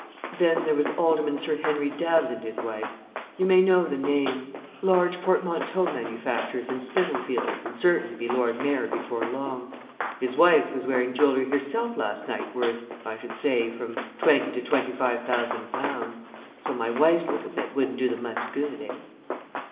Then there was Alderman Sir Henry Dabbs and his wife. You may know the name large portmanteau manufacturers in Spitalfields and certain to be Lord Mayor before long. His wife was wearing jewelry herself last night worth, I should say, from twenty to twenty five thousand pounds; so my wife's little bit wouldn't do them much good, eh?"